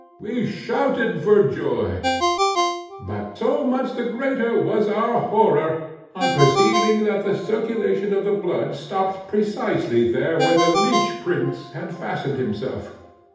We shouted for joy; but so much the greater was our horror, on perceiving that the circulation of the blood stopped precisely there where the Leech Prince had fastened himself.